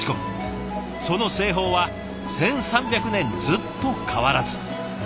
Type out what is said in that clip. その製法は１，３００年ずっと変わらず。